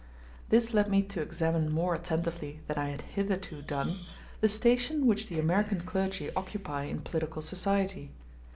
This led me to examine more attentively than I had hitherto done, the station which the American clergy occupy in political society.